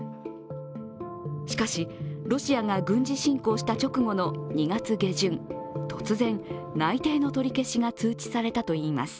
しかし、ロシアが軍事侵攻した直後の２月下旬、突然、内定の取り消しが通知されたといいます。